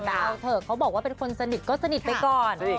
แต่เอาเถอะเขาบอกว่าเป็นคนสนิทก็สนิทไปก่อน